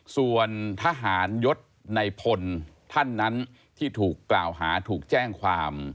ส่วนทหารยศในพลท่านนั้นที่ถูกกล่าวหาถูกแจ้งความ